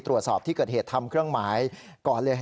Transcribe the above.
ตรวจสอบที่เกิดเหตุทำเครื่องหมายก่อนเลย